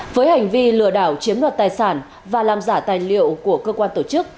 với hành vi lừa đảo chiếm đoạt tài sản và làm giả tài liệu của cơ quan tổ chức